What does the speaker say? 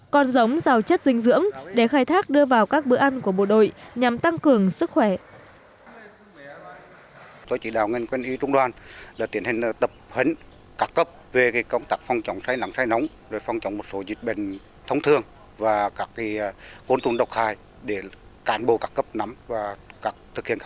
còn giống rau chất dinh dưỡng để khai thác đưa vào các bữa ăn của bộ đội nhằm tăng cường sức khỏe